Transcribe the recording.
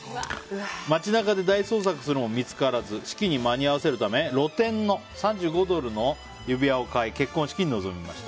街中で大捜索するも見つからず式に間に合わせるため露店の３５ドルの指輪を買い結婚式に臨みました。